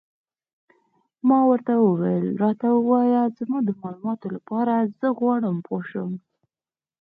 ما ورته وویل: راته ووایه، زما د معلوماتو لپاره، زه غواړم پوه شم.